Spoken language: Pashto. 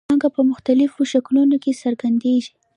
پانګه په مختلفو شکلونو کې څرګندېږي